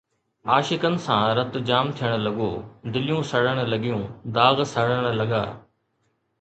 عاشقن سان رت جام ٿيڻ لڳو، دليون سڙڻ لڳيون، داغ سڙڻ لڳا